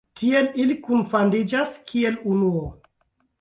Tiel ili kunfandiĝas kiel unuo.